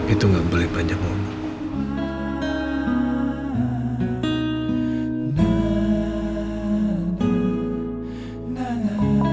itu gak boleh panjang ngomong